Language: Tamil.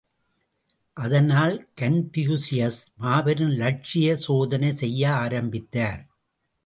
அதனால் கன்பூசியஸ் மாபெரும் லட்சிய சோதனை செய்ய ஆரம்பித்தார்.